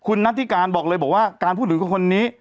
คุณนัทธิการบอกเลยบอกว่าการพูดถึงคนนี้